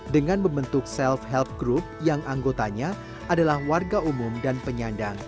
dengan membentuk self help group yang anggotanya adalah warga umum dan penyandang